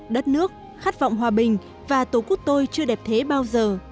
đất nước khát vọng hòa bình và tổ quốc tôi chưa đẹp thế bao giờ